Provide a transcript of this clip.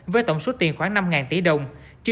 với tổng số tiền khoảng năm tỷ đồng